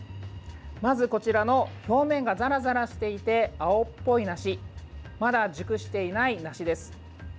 まず、こちらの表面がザラザラしていて青っぽい梨まだ熟していない梨です。